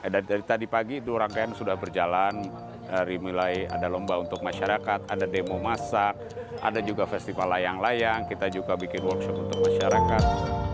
dari tadi pagi itu rangkaian sudah berjalan dari mulai ada lomba untuk masyarakat ada demo masak ada juga festival layang layang kita juga bikin workshop untuk masyarakat